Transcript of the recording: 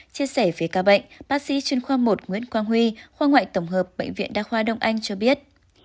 chia sẻ về ca bệnh bác sĩ chuyên khoa một nguyễn quang huy khoa ngoại tổng hợp bệnh viện đa khoa đông anh cho biết